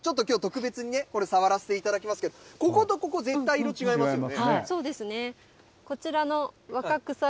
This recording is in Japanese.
ちょっときょう、特別にね、これ、触らせていただきますけど、こことここ、絶対色違いますよね。